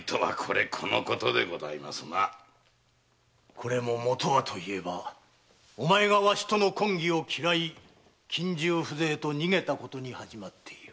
これも元はといえばお前がわしとの婚儀を嫌い近習風情と逃げたことに始まっている。